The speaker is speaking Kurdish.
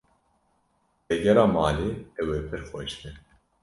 Vegera malê ew ê pir xweş be.